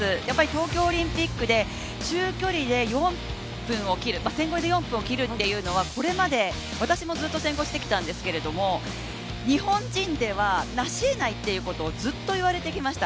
東京オリンピックで中距離、１５００ｍで４分を切るというのはこれまで私もずっと１５００ｍしてきたんですけど日本人ではなしえないっていうことをずっといわれてきました。